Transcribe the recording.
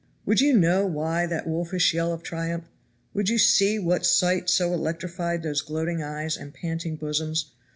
Would you know why that wolfish yell of triumph? Would you see what sight so electrified those gloating eyes and panting bosoms?